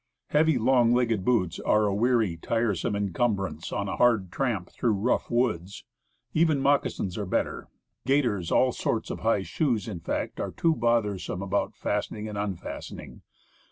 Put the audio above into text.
Heavy, long legged boots are a weary, tiresome incumbrance on a hard tramp through rough woods. Even moc casins are better. Gaiters, all sorts of high shoes in fact, are too bothersome about fastening and unfastening.